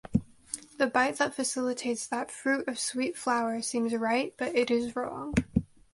The bite that facilitates that fruit of sweet flour seems right, but it is wrong.